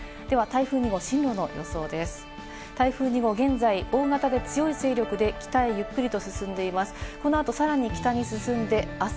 台風２号、現在、大型で強い勢力で北へゆっくりと進んでいます。